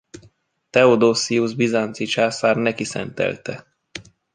Theodosius bizánci császár neki szentelte.